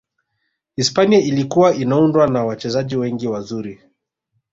hispania ilikuwa inaundwa na wachezaji wengi wazuri